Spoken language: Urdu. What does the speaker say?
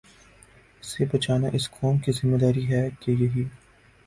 سے بچانا اس قوم کی ذمہ داری ہے کہ یہی